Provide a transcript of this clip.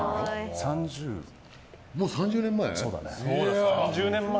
もう３０年前。